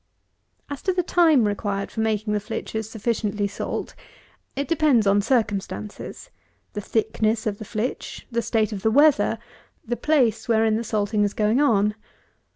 As to the time required for making the flitches sufficiently salt, it depends on circumstances; the thickness of the flitch, the state of the weather, the place wherein the salting is going on.